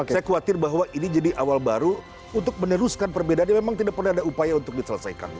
saya khawatir bahwa ini jadi awal baru untuk meneruskan perbedaan yang memang tidak pernah ada upaya untuk diselesaikan